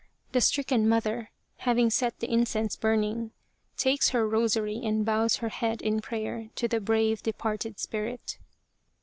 The stricken mother, having set the in cense burning, takes her rosary and bows her head in prayer to the brave departed spirit.